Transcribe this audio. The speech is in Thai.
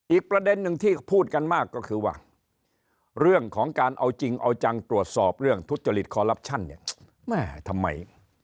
อีกประเด็นหนึ่งที่พูดกันมากก็คือว่าเรื่องของการเอาจริงเอาจังตรวจสอบเรื่องทุจริตคอลลับชั่นเนี่ยแม่ทำไม